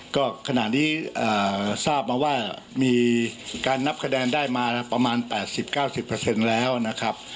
ก็ขณะนี้ทราบมาว่ามีการนับคะแนนได้มาประมาณ๘๐๙๐แล้วนะครับ